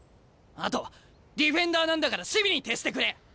あとディフェンダーなんだから守備に徹してくれ！